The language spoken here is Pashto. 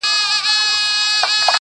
د مرور روح د پخلا وجود کانې دي ته ـ